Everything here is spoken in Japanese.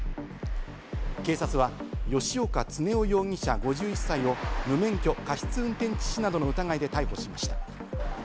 警察は吉岡恒夫容疑者・５１歳を無免許過失運転致死などの疑いで逮捕しました。